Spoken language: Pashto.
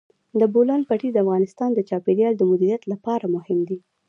د بولان پټي د افغانستان د چاپیریال د مدیریت لپاره مهم دي.